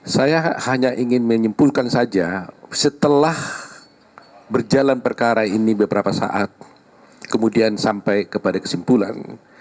saya hanya ingin menyimpulkan saja setelah berjalan perkara ini beberapa saat kemudian sampai kepada kesimpulan